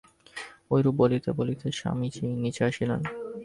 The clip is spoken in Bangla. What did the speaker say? ঐরূপ বলিতে বলিতে স্বামীজী নীচে আসিলেন।